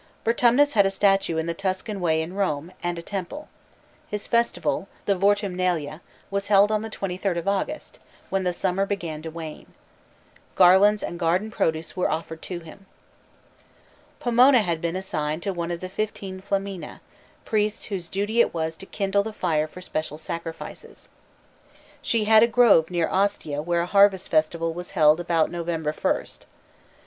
Vertumnus had a statue in the Tuscan Way in Rome, and a temple. His festival, the Vortumnalia, was held on the 23d of August, when the summer began to wane. Garlands and garden produce were offered to him. Pomona had been assigned one of the fifteen flamina, priests whose duty it was to kindle the fire for special sacrifices. She had a grove near Ostia where a harvest festival was held about November first.